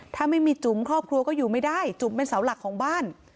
ถ้าไม่มีจุ๋มครอบครัวก็อยู่ไม่ได้จุ๋มเป็นเสาหลักของบ้าน